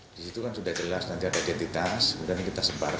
di kisah hubungan internasional dan interpol